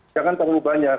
jangan terlalu banyak